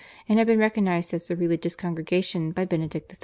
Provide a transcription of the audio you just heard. and had been recognised as a religious congregation by Benedict XIII.